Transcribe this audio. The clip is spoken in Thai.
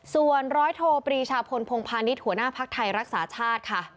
ส่วนร้อยโทปรีชาพลพงภานิฐหัวหน้าภาคไทยรักษาชาติค่ะ